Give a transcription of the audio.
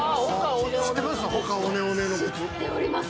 知ってます？